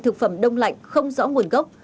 thực phẩm đông lạnh không rõ nguồn gốc